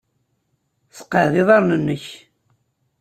Sseqɛed iḍarren-nnek.